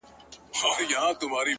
چي آدم نه وو- چي جنت وو دنيا څه ډول وه-